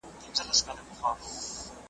او تقریباً د خوښۍ .